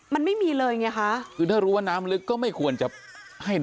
มันไม่มีเลยไงคะ